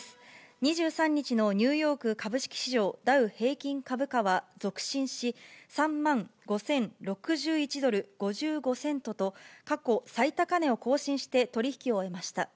２３日のニューヨーク株式市場ダウ平均株価は続伸し、３万５０６１どる５５セントと、過去最高値を更新して取り引きを終えました。